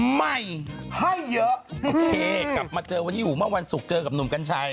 ใหม่ให้เยอะโอเคกลับมาเจอวันนี้อยู่เมื่อวันศุกร์เจอกับหนุ่มกัญชัย